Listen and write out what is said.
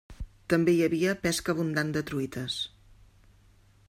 També hi havia pesca abundant de truites.